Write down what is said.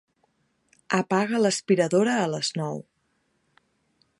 Apaga l'aspiradora a les nou.